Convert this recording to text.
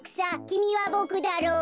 きみはボクだろう？